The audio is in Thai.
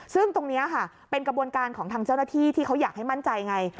ซึ่งตรงนี้ค่ะเป็นกระบวนการของทางเจ้าหน้าที่ที่เขาอยากให้มั่นใจไง